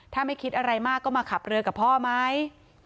ถ้าไม่คิดอะไรมากก็มาขับเรือกับพ่อไหม